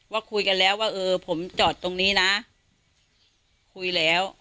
ว่าคุยกันแล้วว่าเออผมจอดตรงนี้นะคุยแล้ว